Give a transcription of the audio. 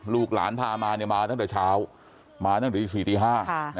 ลูกหลานพามาเนี่ยมาตั้งแต่เช้ามาตั้งแต่สี่ตีห้าค่ะ